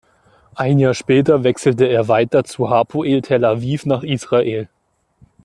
Ein Jahr später wechselte er weiter zu Hapoel Tel Aviv nach Israel.